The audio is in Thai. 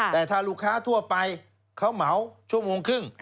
แต่ถ้าลูกค้าทั่วไปเขาเหมาชั่วโมงครึ่ง